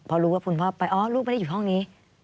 พอรู้ว่าคุณพ่อไปอ๋อลูกไม่ได้อยู่ห้องนี้